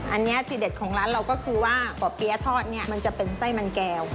อันนี้ที่เด็ดของร้านเราก็คือว่าป่อเปี๊ยะทอดเนี่ยมันจะเป็นไส้มันแก้ว